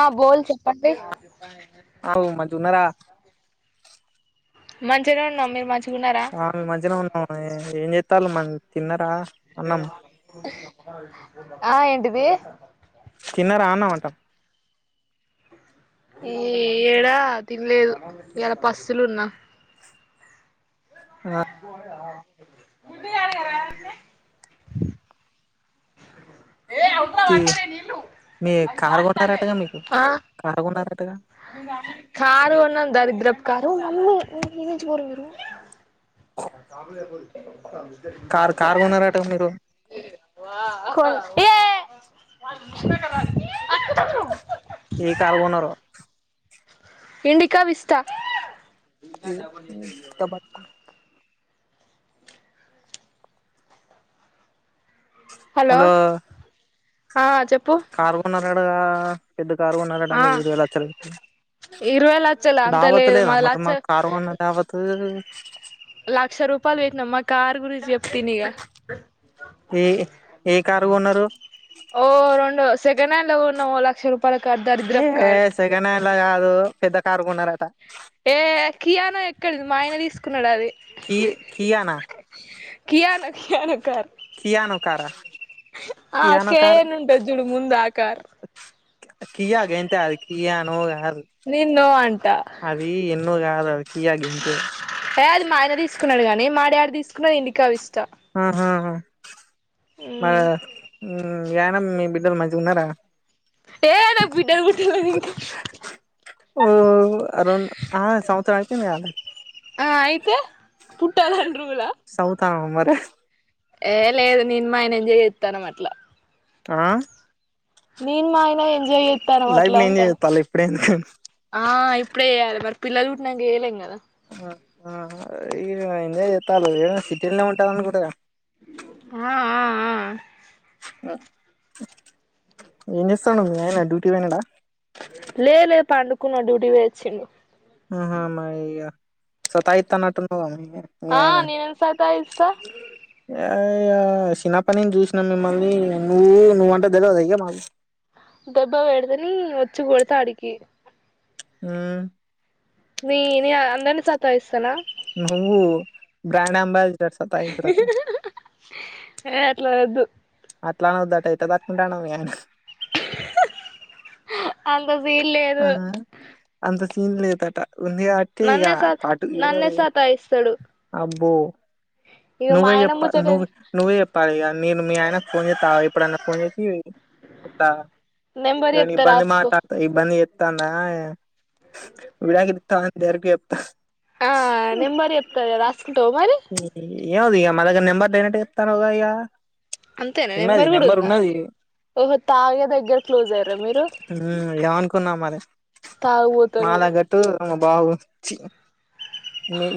ఆ బోల్ చెప్పండి అవు మంచి ఉన్నారా మంచిగనే ఉన్నం మీరు మంచ్ ఆ మీము మంచిగానే ఉన్నాం ఏం చేతళ్ళు మన్ తిన్నరా అన్నం ఆ ఏంటిది తిన్న రా అన్నం అంట ఏ ఏడా తినలేదు ఇయ్యలా పస్తులున్నా ఆ గుగాను ఏయ అ వాతదే నిల్లు మీ అ కారు చార్ త కొన్నారటగా మీకు కారు కొన్నారటగా కారు అన్న దరద్రప్ కారుమ్జరురు కారు కారు కా కొన్నారటగా మీరు ఏ ష్ాల ఏ కార్ కొన్నారో ఇండికా విస్తా తబ హలో ఆ చెప్ కార్ కొన్నారట గ పెద్ద కారుకోన్నారట ఆ మీరు ఇరువై లచ్చలది ఇరవై లక్షల అంత దావత్ లేదు లేదా మా మరి లక్ష మాక్ కారు కొన్న దవత్ లక్ష రూపాయల్ పెట్టినం మ కార్ గురించి చెప్త విను ఇగ ఏ ఏ కారు కొన్నరు ఓ రెండు సెకండ్ హ్యాండ్ ల కొన్నాం ఓ లక్ష రూపాయల కార్ దరిద్రప్ కార్ అట్లా కాదు పెద్ద కార్ కొన్నారట ఏ కియానో ఎక్కడిది మా ఆయన తీసుకున్నాడు అది కి కియానా కియాన కీయనా కర్ కియానో కారా ఆ కియానో కార్ కేేయన్ ఉంటు జుడు ముందు ఆ కర్ కియా గంతే అది కియానో కాదు నీను నో అంట అది ఎన్నో కాదు అది కియా గంతే ఏ అది మా ఆయన తీసుకున్నాడు కాని మా డాడీ తీసుకున్నాది ఇండి క విస్ట అహ హ మ మ్మ్ మ్ యన మీ బిడ్డల్ మ గున్నర ఏ నాక్ బిడ్డర్బట్టలంకా ఓ రెం ఆ సంవత్సరం అయిపోఇంది గ ఆల్రెడ్ ఆ అయితే పుట్టాలని రూల చదువుతానవా మరి ఏ లేదు నిేను మా ఆయన ఎంజాయ్ చెత్తనం అట్లా ఆ నేను మా ఆయన ఎంజాయ్ చేత్తనం లైఫ్ అట్లా ని ఎంజాయ్ అంటన చేస్తాల్లు ఇప్పుడే ఎందుకు ఆ ఇప్పుడే చేయాలె మరి పిల్లళ్ళు పుట్టినంక చెయ్యలేం కదా ఆ ఆ ఇ ఎంజోయ్ చెత్తళ్ళు ఏడ సిటీల్నే ఉంటళ్ళను కూడా గా ఆ ఆ ఏం చేస్థాండు మీ అయనా డ్యూటీ కి పయినడా లేద్ లేద్ పండుకున్నడు డ్యూటీ కి పొయ్యోచ్చిండు ఆహా మ ఇగ సతఇత్తనట్టున్నవ్ గ మీ ఆ అయనన్ నేనేం సతాయిస్తా అ ఇగ చిన్నప్పటి నుంచి చూసినా మిమ్మల్ని నువ్వు నువ్్వంటే తెలువదా ఇగ మాకు దెబ్బా వేడుత ని వచ్చి కొడుత అడికి మాకు నీ నీ అందరినీ సతాయిస్తానా నువ్వు బ్రాండ్ అంబాజిడర్ సతఇంచుటకు ఏ అట్లా వద్దు అట్లా అనోద్దట ఎట్ల తట్టుకుంటాండో మీ అయినే అంత సీల్ లేదు ఆ అంత సీన్ లేదట ఉంది కాబట్టి ఇక నన్నే స అటు నన్నేసతఇస్తడు అబ్బో నువ్వే ఆయన చెప్పా ముచ్చట నువ్వు నువ్వే చెప్పాలిక నీను మీ ఆయనకు ఫోన్ చేత్తగు ఎప్పుడన్న ఫోన్ చేసి చేప్త నెంబర్ ఏమన్నా చెప్తా ఇబంది రాసుకో మాట్తా ఇబంది చే తందా విడకులు ఇత్తవ అని డైరెక్ట్ చెప్తా ఆ నెంబర్ చెప్త రాసుకుంటవ మరి ఏమొద్దు ఇగ మనక్ నెంబర్ డైరెక్ట్ గ ఇత్తనవ్ గ ఇగ అంతేనా ఉన్నది కూడా నెంబర్ ఉందా ఉన్నది ఓహో తాగే దగ్గర క్లోజ్ అయ్యారా మీరు మ్ ఎనుకున్నావ్ మరే తాగుబోతోళ్ళు మాల కట్టు ఇగ మ బావకు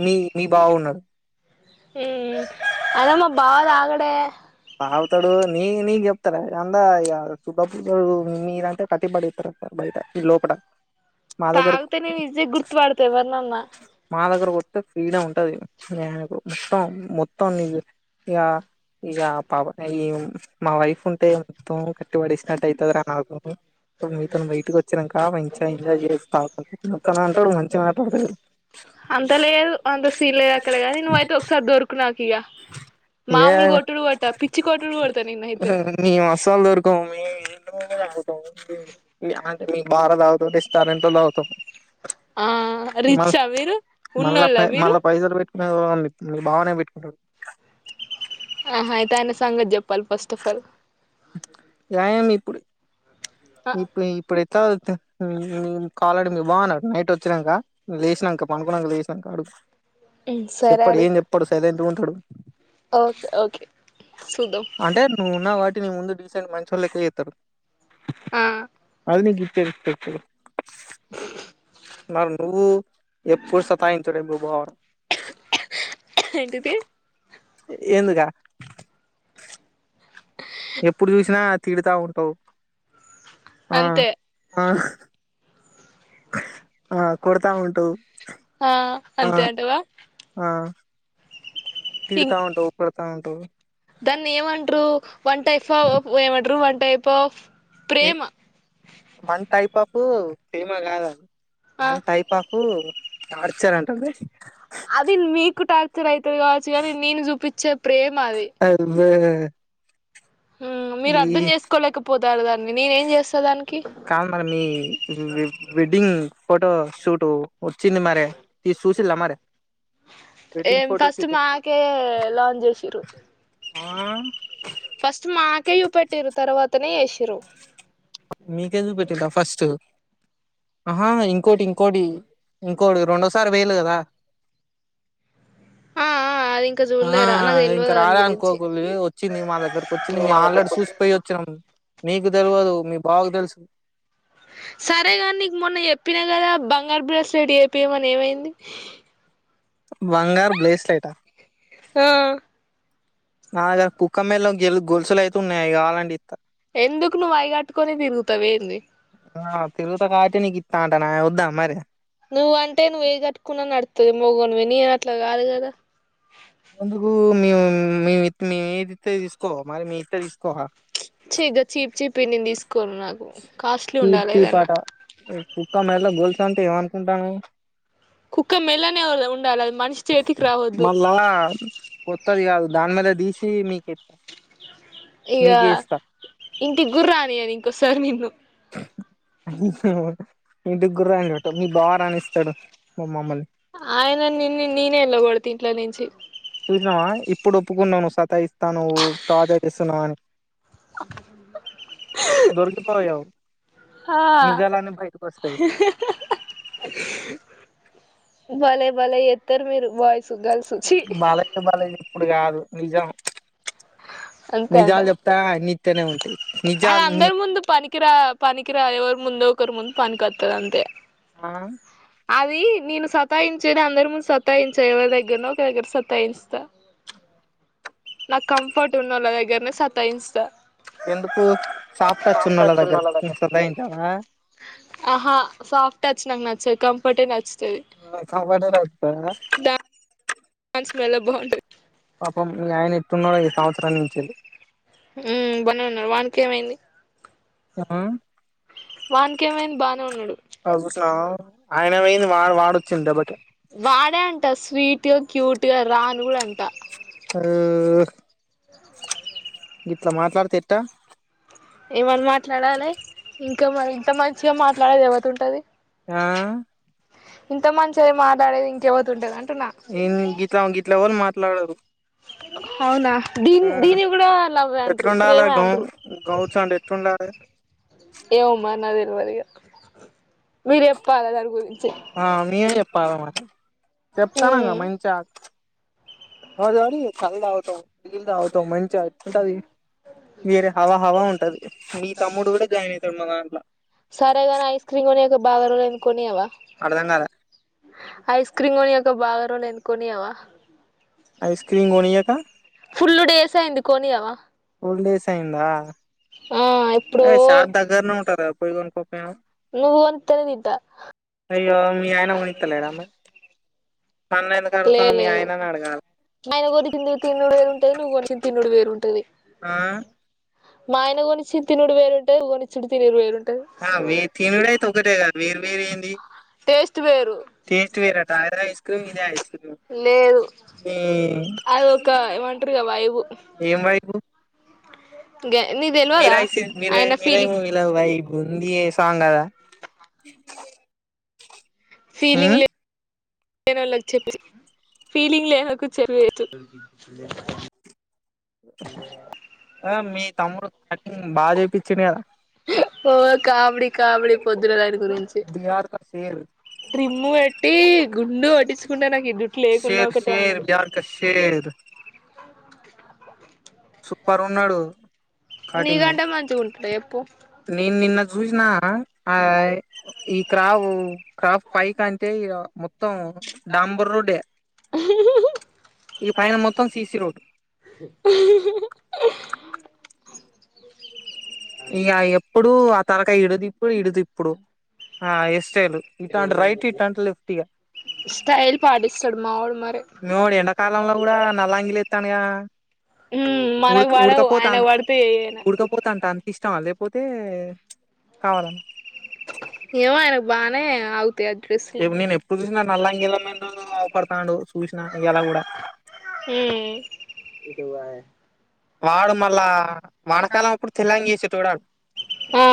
మీ మీ బావున్నాడు మ్ అదే మ బావ తాగడే తాగుతడు ని నీక్ చెప్తడ అందా ఇగ తుప్ గప్పులు మీదంటే కట్టి పడేత్తరు అంట బయట చి లోపట మా దగ్గర తగుతే నిన్ ఇజిగ గుర్తుపడుత ఎవర్నన్న మా దగ్గరికి ఓత్తె ఫ్రీడం ఉంటది ఎహె పో మొత్తం మొత్తం నీ గ ఇగ పాపం ఇమ్ మా వైఫ్ ఉంటే మొత్తం కట్టి పడేసినట్టు అయితది రా నాకు ఇప్పుడు మీతోని బయటికో వచ్చినంకా మంచి ఎంాయ్ చేయోచ్చు తాగుతా ఒతనంటాడు మంచిగా మాట్లాడుతాడు అంత లేదు అంత సీల్ లేదు అక్కడ కానీ నువ్్వ అయితే ఒకసారి దొరుకునకిగ ఏ పిచ్చి కొట్టుడు కొడతా నిన్నయితే మేం అస్సల్ దొరకమీ. అంటే మీ బార తాగుతం రెస్టారెంట్ లో తాగుతం. ఆ మల్ రిచ్చా మీరు మళ్ల ప ఉన్నోళ్ళ మీరు మల్ల పైసలు బె బాగనే పెట్టుకుంటడు. ఆహ ఇటయన సంగతి చెప్పాలి ఫస్ట్ ఆఫ్ ఆల్ న్యాయం ఇప్పుడు ఆ ఇప్పు ఇప్పుడేత కాలడి మీ బాన్నాడు నైట్ వ వచ్చినంక లేసినంక పండుకునంక లేసినంక అడు ఉమ్ సరే చెప్పడు ఏం అడుగు చెప్పడు సైలెంట్ గుంటడు. ఓకే ఓకే చూద్దాం అంటే నువ్వున్నవ్ కాబట్టి నీ ముందు డీసెంట్ మంచోడు లెక్క చేత్తడు ఆ అదినికిచ్చేత్తడు. మరి నువ్వు ఎప్పుడు సతాయించుడే నువ్వు బావను ఎంటిది? ఎందుక? ఎప్పుడు చూసినా తిడతా ఉంటవ్. అంతే ఆ కొడతా ఉంటావు ఆ ఆ అంతే అంటవా? ఆ ఇం తిడతా ఉంటవు, కొడతా ఉంటవు దాన్ని ఏం అంట్రూ వన్ టైప్ ఆఫ్, ఏమంట్రూ వన్ టైప్ ఆఫ్ ఏ ప్రేమ వన్ టైప్ ఆఫు ఫెమ కాద? ఆ వన్ టైప్ ఆఫ్ టార్చర్ అంటరు దాన్ని. అది మీకు టార్చర్ అయి తది కావచ్చు గని నేను చూపించే ప్రేమ అది. ఉమ్ మీరు ఈ అర్ధం చేసుకోలేకపోతారు దాన్ని, నేనే ఏం చేస్తా దానికి కాదు మరి మీ వె వెడ్డింగ్ ఫోటో షూటూ వచ్చింది మరే తీసి చూసిల్లా మరే. ఏం ఫస్ట్ మాకే లాంచ్ చేసిర్రు. ఆ ఫస్ట్ మాకే చూపెటిర్రు తర్వాతనే ఎష్ మీకె చుపెట్టిలా ఫస్ట్? ఆహా ఇంకోటి ఇంకోటి ఇంకోడు రెండోసారి పోయిళ్లు కదా. ఆ అది ఇంకా ఆ చూడలేరా నాకు తెల్వదు ఇంకా దాని రాలే గురించి అనుకోకుళ్ళి వచ్చింది, మా దగ్గరకు వచ్చింది మేము ఆల్రెడీ సూసిపోయి వచ్చినం. మీకు తెల్వదు మీ బావకు తెలుసు సరేగని నీకు మొన్న చెప్పినా కదా, బంగారు బ్రాస్లైట్ చేపీయమని ఏమైంది? బంగారు బ్రెస్లైట? ఆ నా దగ్గర కుక్క మెళ్ళ గెల్ గొలుసులు అయితే ఉన్నయి అయి గావలంటే ఇత్తా. ఎందుకు నువ్వు అయి కట్టుకొని తిరుగుతావేంది ఆ తిరుగుతం కాబట్టే నీకు ఇత్తా అం టనా వద్దా మరి? నువ్వంటే నువ్వు ఏది కట్టుకున్నా నడుత్తది మోగోనివి, నేను అట్ల కాదు కదా ఎందుకు మేము మేము ఇత్ నేను ఏద్దిత్తే అది తీసుకోవ మరి, మీయి ఇత్తే తీసుక్ చిదు చీప్ చీపియి నేను తీసుకోను నాకు, కాస్ట్లీ ఉండాలి ఏదన్న. కుక్కా మెళ్ళో గోల్సు అంటే ఏమనుకుంటానావు కుక్క మెళ్ళోనే ఉండాల మళ్ళా కొత్తది కాదు దాని మీద తీసి [unintelligible] ఇగ మీకే ఇస్తా ఇంటికి [unintelligible] రానియను ఇంకోసారి నిన్ను మీ ఇంటిగూడ రాణిదంట మీ బావ రానిస్తాడు మా మమ్మల్ని ఆయన నిని నేనే వెళ్ళగొడత ఇంట్లో నుంచి చూసినావ ఇప్పుడు ఒప్పుకున్నావు నువ్ సతా ఇస్తా నువ్వు టార్చర్ చేస్తున్నావు అని దొరికిపోయావు ఆ నిజాలన్నీ బయటకు వస్తాయ్ భలే భలే చెత్తారు మీరు బాయ్ బల బలే ఇప్పుడు కాదు నిజం అంతే అంట నిజాలు చెప్తే [unintelligible] అది అందరి ముందు పనికినికిరా పనికిరా ఎవరు ముందు ఒకరు ముందు పనికి వత్తది అంతే ఆ అది నేను సతాయించేది అందరి ముందు సత్తాయించ ఎవరి దగ్గరనో ఒక దగ్గర సత్తాయింస్తా నాకు కంఫర్ట్ ఉనోళ్ళ దగ్గరనే సత్తయింస్త ఎందుకు సాఫ్ట్ టచ్ ఉనోళ్ళ దగ్గర సతయించవ ఆహా సాఫ్ట్ టచ్ నాకు నచ్చదు కంఫర్టే నచ్ కంఫర్ట్ ఏ దా [unintelligible] వాని స్మెల్ బాగు మీ ఆయన ఎట్టున్నాడు ఈ సంవత్సరం నించి ఉ బనే ఉన్నాడు వానీకి ఏమైంది ఊ వానికి ఏమైంది బానే ఉన్నాడు అగో చూసినావ ఆయన పోయింది వా వాడొచ్చింది దెబ్బకి వాడే అంట స్వీట్ గా క్యూట్ గా రా అని కూడ అంట ఆ గిట్ల మాట్లాడితే ఎట్ట ఏమని మాట్లాడాలి ఇంకా [unintelligible] ఇంత మంచిగా మాట్లాడేది ఎవతి ఉంటది ఆ ఇంత మంచిగ మాట్లాడేది ఇంకేవతి ఉంటది అంటున్నా [unintelligible] గిట్ల ఎవరు మాట్లాడరు అవున దీని ఆ దీని కూడా లవ్ అంటురు ఎట్లుండాలే ప్రేమే అంటురు స ఏమో మరి నా తెలివదుగా ఇగా మీరు [unintelligible] ఆ నేనే చెప్పాల మరి చెప్తానంగా మ్మ్ మంచిగ రోజు కళ్ళు [unintelligible] బీరు తాగుతాం ఎక్కుతది హవా హవా ఉంటది మీ తమ్ముడు కూడ జాయిన్ అయితాడు మా దాంట్ల సరేగానే ఐస్ క్రీమ్ కొన్నియగ బాగ రోజులైంది కొనేయావా అర్థం ఐస్ క్రీమ్ కాలే కొనియక ఫుల్ డేస్ అయింది కోనియవ ఫుల్ డేస్ అయ్యింద ఆ ఎప్పుడో షాప్ దగ్గరనే ఉంటదిగా పోయి కొనుక్కో నువ్వు కొనిత్తేనే తింటా అయ్యో మీ ఆయన కొనిత్త లేడ మరి నన్ను ఎందుకు లే అడుగుతున్నావ్ మీ లేదు ఆయనని అడగాలి ఆయన కొనిచ్చింది తిన్నుడు వేరుంటది నువ్వు కొనిచ్చింది. తిన్డు వేరుంటది ఆ మాయన కొనిచ్చు తిన్నుడు వేరుంటది నువ్వు కొనిచ్చడు తినుడు వేరుంటది ఆ సో వే తినుడయితే ఒకటేగ వేరు వేరేంది టేస్ట్ వేరు టేస్ట్ వేరటా అద ఐస్ క్రీమ్ ఇదే ఐస్ క్రీమ్ లేదు మీ అది ఒక ఏమంటారుగా వైవు ఏం మీరా సి మీర ఆయన మీర ఫీలింగ్ మూవి లో వైవ్ ఉంది ఎ సాంగ్ కదా ఫీలింగ్ ఉమ్ లే నోల్లు వచ్చెర్ ఫీలింగ్ లేదకు చెరు వయితు ఆ మీ తమ్ముడు కటింగ్ బాగ చేపిచ్చిండు కదా ఒ కామెడి కామెడి పొద్దునలా బిహార్ క షేర్ ట్రిమ్ము పెట్టి గుండు కోట్టించుకుంటా నాకు ఈ జుట్టు లేకున్నా షేర్ ఒకటె షేర్ అనడు బిహార్ కా షేర్ సూప్పర్ ఉన్నాడు కటింగు నీకంటే మంచిగా ఉంటాడు చెప్పు నేన్ నిన్న చూసిన ఆ అయ్ ఈ క్రావు క్రాఫ్ పైక్ అంటే ఇగ మో త్తం డంబ రోడ్డే ఇక పైన మొత్తం సీసి రోడ్ ఇగ ఎప్పుడు ఆ తలకాయా ఇడు దిప్పుడు ఇడు దిప్పుడు ఆ హెయిర్ స్టైల్ ఇటు అంటే రైట్ ఇట్టాంటి లెఫ్ట్ ఇగ స్టైల్ పాటిస్తాడు మావోడు మరి మీ వోడు ఎండాకాలంలో కూడా నల్లంగిలి ఎత్తాన్డుగా ఉమ్ మనకు ఉడక పడవు ఉడకపోతా అ ఆయనకు పడతాయి ఏయైనా ఉడకపోతాంటా అనిపిస్ట ఇష్టమా లేకపోతే కావాల ఏమో ఆయనక్ బానే ఆగుతాయ్ ఆ డ్రస్సులు నల్లంగిలో నె కనపడతాండు చూసిన ఇయాల కూడ ఏ వాడు మళ్ళా వానాకాలం అప్పుడు తెల్లంగి వేసే చూడాలి ఆ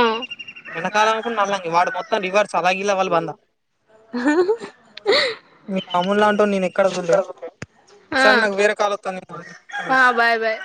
ఎండకాలం అనుకు నల్ళంగి వాడు మొత్తం రివర్స్ అలాగ ఇలా వాళ్ళ బంద మీ తమ్మూల్ లాంటి వాడిని నేను ఎక్కడ చూల్లే ఆ సరె నాక్ వేరే కాల్ వత్తాంది. బాయ్ ఆ బాయ్